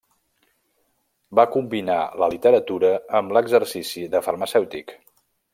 Va combinar la literatura amb l'exercici de farmacèutic.